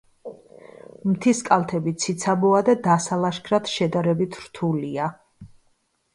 მთის კალთები ციცაბოა და დასალაშქრად შედარებით რთულია.